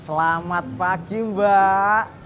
selamat pagi mbak